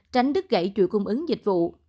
tránh đứt gãy trụi cung ứng dịch vụ